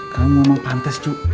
kamu emang pantes cuk